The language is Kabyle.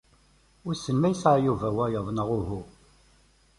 Wissen ma yesɛa Yuba wayeḍ neɣ uhu.